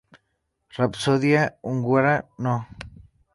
Rapsodia Húngara no.